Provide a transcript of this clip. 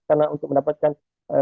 karena untuk mendapatkan